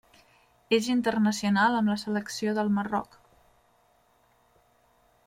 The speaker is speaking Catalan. És internacional amb la selecció del Marroc.